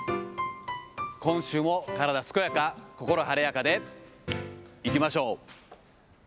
今週も体健やか、心晴れやかでいきましょう。